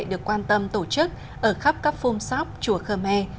được quan tâm tổ chức ở khắp các phung sóc chùa khơ me